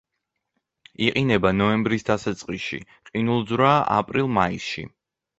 იყინება ნოემბრის დასაწყისში, ყინულძვრაა აპრილ-მაისში.